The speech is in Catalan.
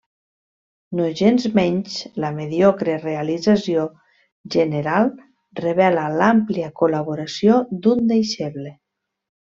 Nogensmenys, la mediocre realització general revela l'àmplia col·laboració d'un deixeble.